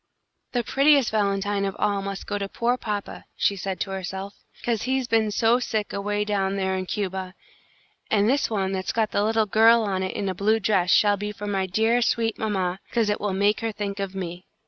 "The prettiest valentine of all must go to poor papa," she said to herself, "'cause he's been so sick away down there in Cuba; and this one that's got the little girl on it in a blue dress shall be for my dear, sweet mamma, 'cause it will make her think of me."